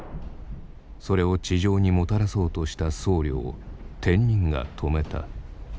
それを地上にもたらそうとした僧侶を天人が止めた。